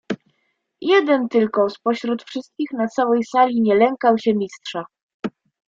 "Jeden tylko z pośród wszystkich na całej sali nie lękał się Mistrza."